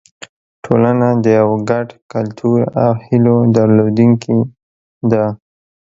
ټولنه د یو ګډ کلتور او هیلو درلودونکې ده.